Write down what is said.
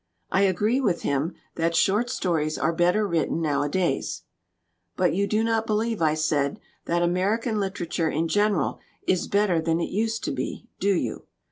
I agree with him that short stories are better writ ten nowadays." "But you do not believe," I said, "that Ameri 37 LITERATURE IN THE MAKING can literature in general is better than it used to be, do you?